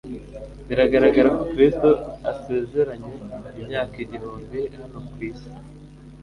Biragaragara ko Kristo atasezeranye imyaka igihumbi hano ku isi,